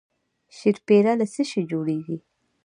شیرپیره له څه شي جوړیږي؟